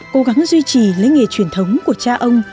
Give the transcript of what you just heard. cố gắng duy trì lấy nghề truyền thống của cha ông